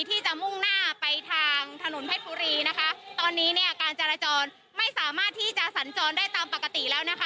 ที่จะมุ่งหน้าไปทางถนนเพชรบุรีนะคะตอนนี้เนี่ยการจราจรไม่สามารถที่จะสัญจรได้ตามปกติแล้วนะคะ